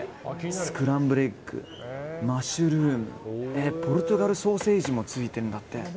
スクランブルエッグマッシュルームポルトガルソーセージもついてるんだって。